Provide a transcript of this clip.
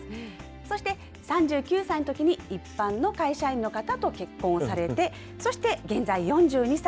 そして３９歳のときに一般の会社員の方と結婚をされて、そして現在４２歳。